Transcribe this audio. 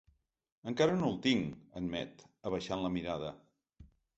Encara no el tinc —admet, abaixant la mirada.